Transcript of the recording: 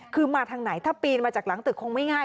คือมาทางไหนถ้าปีนมาจากหลังตึกคงไม่ง่าย